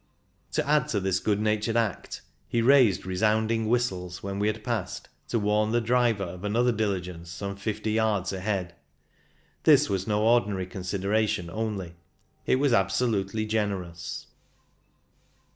To add to this good natured act, he raised resounding whistles when we had passed, to warn the driver of another dili gence some fifty yards ahead. This was no ordinary consideration only — it was absolutely generous.